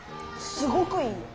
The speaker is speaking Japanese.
すごくいいよ。